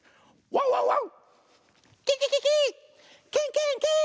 ワンワンワン！